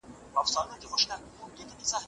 هغه هڅه وکړه چي هیواد بیا جوړ کړي.